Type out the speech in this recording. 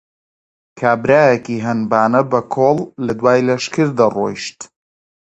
کابرایەکی هەنبانە بە کۆڵ لە دوای لەشکر دەڕۆیشت